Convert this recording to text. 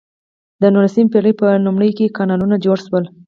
د نولسمې پیړۍ په لومړیو کې کانالونه جوړ شول.